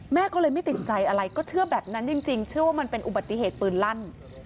แม่ก็เลยไม่ติดใจอะไรก็เชื่อแบบนั้นจริงเชื่อว่ามันเป็นอุบัติเหตุปืนลั่น